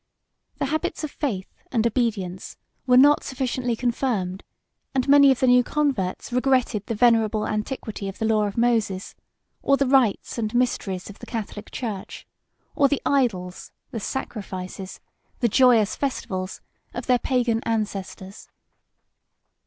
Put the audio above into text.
The habits of faith and obedience were not sufficiently confirmed; and many of the new converts regretted the venerable antiquity of the law of Moses, or the rites and mysteries of the Catholic church; or the idols, the sacrifices, the joyous festivals, of their Pagan ancestors.